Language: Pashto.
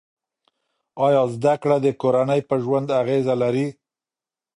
آیا زده کړه د کورنۍ په ژوند اغېزه لري؟